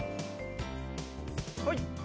はい。